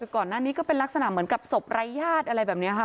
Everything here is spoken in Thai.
ก่อนหน้านี้ก็เป็นลักษณะเหมือนกับศพไร้ญาติอะไรแบบนี้ค่ะ